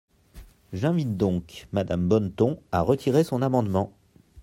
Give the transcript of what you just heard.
J’invite donc Madame Bonneton à retirer son amendement.